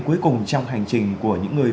cuối cùng trong hành trình của những người